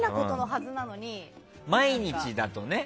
毎日だとね。